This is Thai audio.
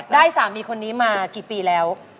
ได้สามีคนนี้มากี่ปีแล้ว